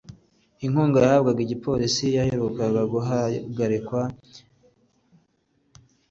Inkunga yahabwaga igipolisi yaherukaga guhagarikwa by’igihe gito muri Gicurasi uyu mwaka